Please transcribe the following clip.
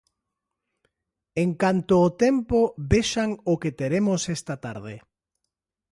En canto o tempo vexan o que teremos esta tarde.